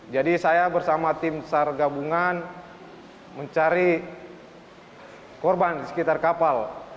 jadi saya bersama tim sar gabungan mencari korban di sekitar kapal